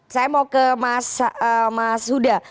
saya mau ke mas huda